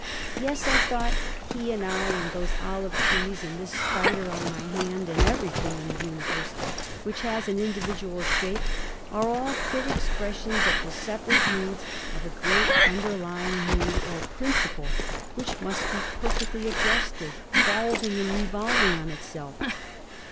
Yes," I thought, "he and I, and those olive trees, and this spider on my hand, and everything in the Universe which has an individual shape, are all fit expressions of the separate moods of a great underlying Mood or Principle, which must be perfectly adjusted, volving and revolving on itself.